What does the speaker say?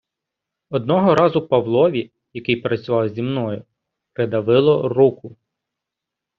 Одного разу Павлові, який працював зі мною придавило руку.